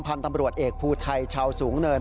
พันธุ์ตำรวจเอกภูไทยชาวสูงเนิน